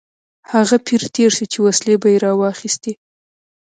هغه پیر تېر شو چې وسلې به یې راواخیستې.